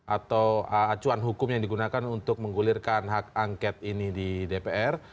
atau acuan hukum yang digunakan untuk menggulirkan hak angket ini di dpr